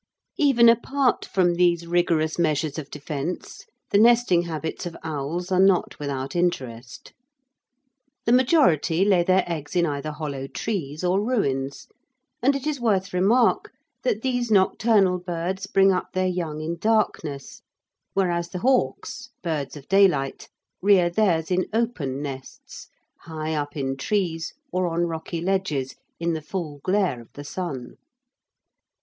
Even apart from these rigorous measures of defence, the nesting habits of owls are not without interest. The majority lay their eggs in either hollow trees or ruins, and it is worth remark that these nocturnal birds bring up their young in darkness, whereas the hawks birds of daylight rear theirs in open nests, high up in trees or on rocky ledges, in the full glare of the sun.